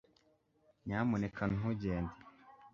nyamuneka ntugende